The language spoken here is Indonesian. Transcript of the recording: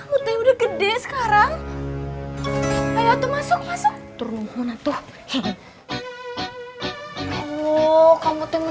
udah gede sekarang ayo masuk masuk